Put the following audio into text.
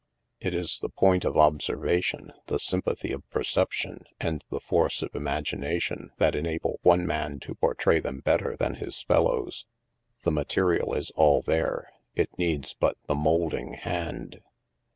It is the point of observation, the sympathy of perception, and the force of imagination, that enable one man to portray them better than his fellows ; the material is all there, it needs but the moulding hand."